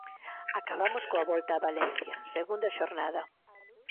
Acabamos coa Volta a Valencia, segunda xornada.